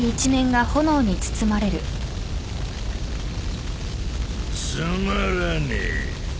つまらねえ。